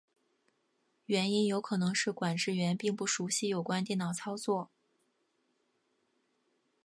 原因有可能是管制员并不熟习有关电脑操作。